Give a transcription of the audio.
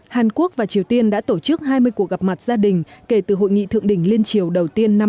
hàn quốc và triều tiên đã tổ chức hai mươi cuộc gặp mặt gia đình kể từ hội nghị thượng đỉnh liên triều đầu tiên năm hai nghìn hai mươi